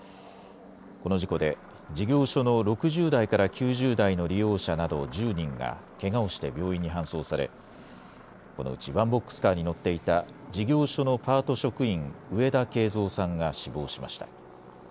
この事故で、事業所の６０代から９０代の利用者など１０人がけがをして病院に搬送され、このうちワンボックスカーに乗っていた事業所のパート職員、上田敬三さんが死亡しました。